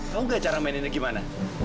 kau gak tahu cara main ini gimana